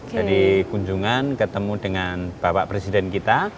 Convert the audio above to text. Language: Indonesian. jadi kunjungan ketemu dengan bapak presiden kita